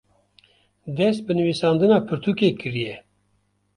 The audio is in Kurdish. dest bi nivîsandina pirtûkê kiriye